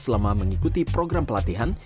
selama mengikuti program pelatihan